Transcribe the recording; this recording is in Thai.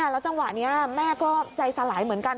แล้วจังหวะนี้แม่ก็ใจสลายเหมือนกัน